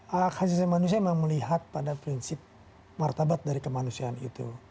hak asasi manusia memang melihat pada prinsip martabat dari kemanusiaan itu